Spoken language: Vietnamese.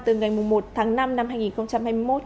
từ ngày một tháng năm năm hai nghìn hai mươi một